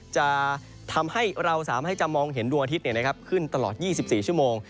จะทำให้เราสามารถให้จะมองเห็นดวงอาทิตย์ขึ้นตลอด๒๔ชั่วโมง